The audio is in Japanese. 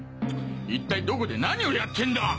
一体どこで何をやってんだ！？